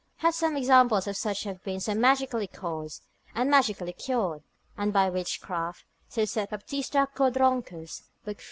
hath some examples of such as have been so magically caused, and magically cured, and by witchcraft: so saith Baptista Codronchus, lib. 3.